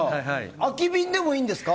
空き瓶でもいいんですか？